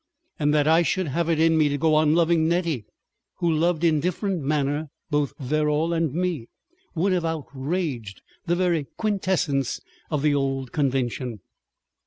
And that I should have it in me to go on loving Nettie—who loved in different manner both Verrall and me—would have outraged the very quintessence of the old convention.